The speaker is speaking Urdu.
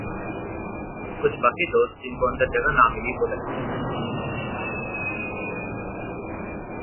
کچھ باقی دوست جن کو اندر جگہ نہ ملی وہ لٹک گئے ۔